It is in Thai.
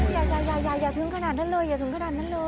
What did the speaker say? อย่าอย่าอย่าอย่าถึงขนาดนั้นเลยอย่าถึงขนาดนั้นเลย